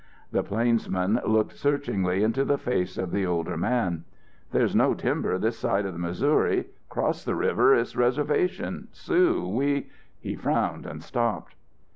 The plainsman looked searchingly into the face of the older man. "There's no timber this side the Missouri. Across the river it's reservation Sioux. We " He frowned and stopped.